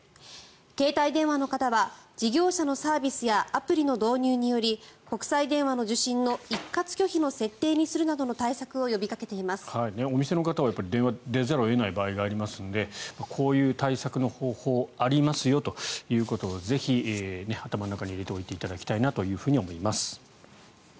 携帯電話の方は事業者のサービスやアプリの導入により国際電話の受信の一括拒否の設定にするお店の方は電話に出ざるを得ない場合がありますのでこういう対策の方法ありますよということをぜひ頭の中に入れておいていただきたいと思います。